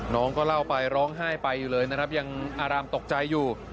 น้องก็เล่าไปร้องไห้ไปอยู่เลยนะครับยังอารามตกใจอยู่